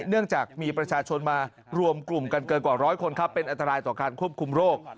เนื่องจากมีประชาชนมารวมกลุ่มกันเกินกว่าร้อยคนครับเป็นอันตรายต่อการควบคุมโรค